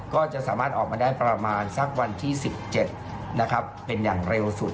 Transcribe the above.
ก็จะสามารถออกมาได้ประมาณสักวันที่๑๗นะครับเป็นอย่างเร็วสุด